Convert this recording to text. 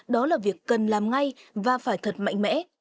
đó là việc cần làm ngay và phải thật mạnh mẽ